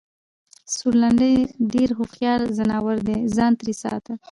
سورلنډی ډېر هوښیار ځناور دی٬ ځان ترې ساته!